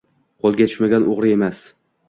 qo‘lga tushmagan – o‘g‘ri emas.